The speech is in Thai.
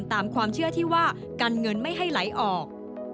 ตามความเชื่อที่ว่ากันเงินไม่ให้ไหลออก